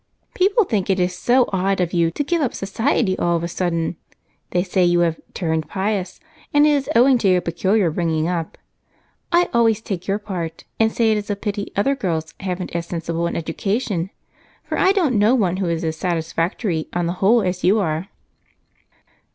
"People think it is so odd of you to give up society all of a sudden. They say you have 'turned pious' and it is owing to your peculiar bringing up. I always take your part and say it is a pity other girls haven't as sensible an education, for I don't know one who is as satisfactory on the whole as you are."